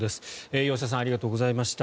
吉田さんありがとうございました。